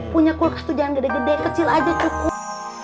punya kulkas tuh jangan gede gede kecil aja cukup